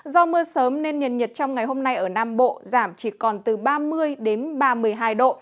do mưa sớm nên nền nhiệt trong ngày hôm nay ở nam bộ giảm chỉ còn từ ba mươi đến ba mươi hai độ